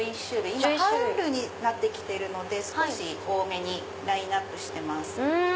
今春になってきてるので少し多めにラインアップしてます。